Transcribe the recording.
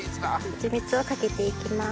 ハチミツをかけていきます。